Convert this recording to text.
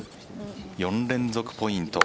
４連続ポイント。